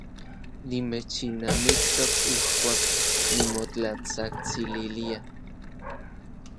Nimechilnamiktok ijkuak nimotlatsajtsililia.